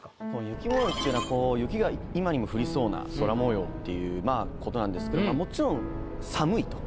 「雪催」っていうのは雪が今にも降りそうな空模様っていうことなんですけどもちろん寒いと。